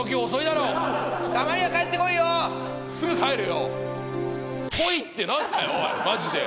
すぐ帰るよ！